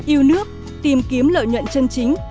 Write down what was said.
yêu nước tìm kiếm lợi nhận chân chính